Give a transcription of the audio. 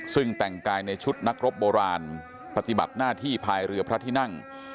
ซึ่งแต่งกายในชุดนักรบโบราณปฏิบัติหน้าที่ภายเรือพระที่นั่ง